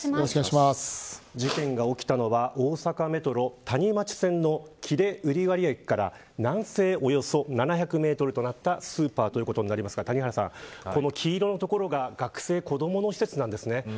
事件が起きたのは、大阪メトロ谷町線の喜連瓜破駅から南西およそ７００メートルとなったスーパーということになりますが谷原さん、この黄色のところが学生、子どもの施設なんですね。